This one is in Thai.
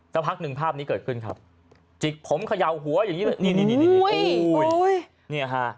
และพักนึงภาพนี้เกิดขึ้นครับจิกผมขยัวหัวอย่างนี้แหละ